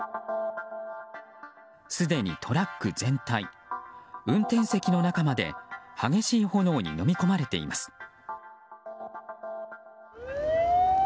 すでにトラック全体運転席の中まで激しい炎にのみ込まれています。